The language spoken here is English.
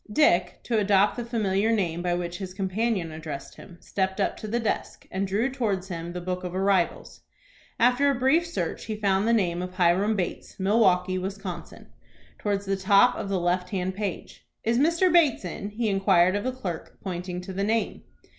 Dick, to adopt the familiar name by which his companion addressed him, stepped up to the desk, and drew towards him the book of arrivals. After a brief search he found the name of "Hiram Bates, Milwaukie, Wis.," towards the top of the left hand page. "Is Mr. Bates in?" he inquired of the clerk, pointing to the name.